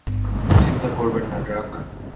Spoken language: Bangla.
চিন্তা করবেন না, ড্রাক।